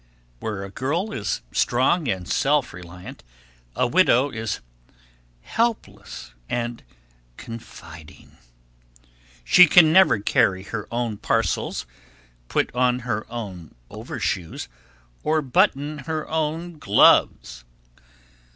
Where a girl is strong and self reliant, a widow is helpless and confiding. She can never carry her own parcels, put on her own overshoes, or button her own gloves.